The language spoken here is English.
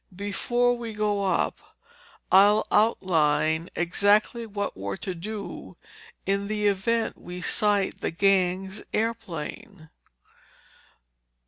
Before we go up, I'll outline exactly what we're to do in the event we sight the gang's airplane."